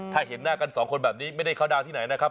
ถ้าเห็นหน้ากันสองคนแบบนี้ไม่ได้เข้าดาวน์ที่ไหนนะครับ